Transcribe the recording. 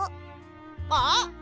あっ！